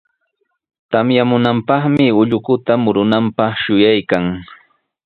Tamyamunantami ullukuta murunanpaq shuyaykan.